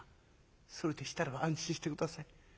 「それでしたらば安心して下さい。